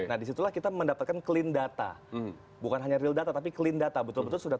nah disitulah kita mendapatkan clean data bukan hanya real data tapi clean data betul betul sudah